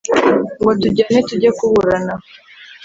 ngo tujyane tujye kuburana